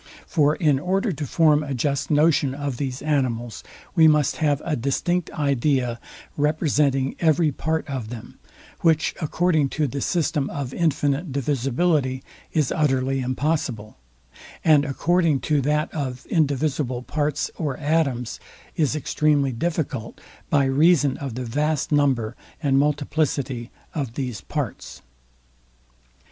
For in order to form a just notion of these animals, we must have a distinct idea representing every part of them, which, according to the system of infinite divisibility, is utterly impossible, and, recording to that of indivisible parts or atoms, is extremely difficult, by reason of the vast number and multiplicity of these parts.